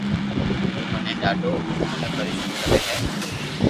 تو مني ڌاڌو اوني پرآݾون ڪري ھي